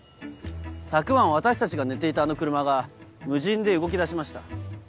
昨晩私たちが寝ていたあの車が無人で動きだしました。